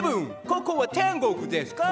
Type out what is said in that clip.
ここは天国ですか